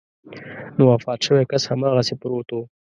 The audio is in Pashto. نو وفات شوی کس هماغسې پروت و.